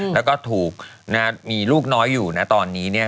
แล้วก็ถูกมีลูกน้อยอยู่นะตอนนี้เนี่ย